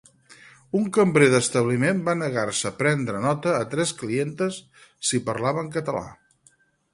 Un cambrer de establiment va negar-se prendre nota a tres clientes si parlaven català